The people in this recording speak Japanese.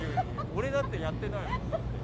俺だってやってないもん。